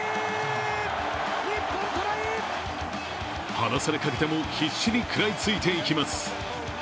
離されかけても必至に食らいついていきます。